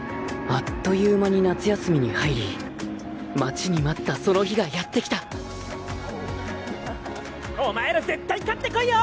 あっという間に夏休みに入り待ちに待ったその日がやってきたお前ら絶対勝ってこいよ！